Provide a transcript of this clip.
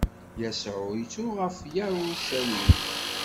Yasuɛ ittru ɣef Yarucalim.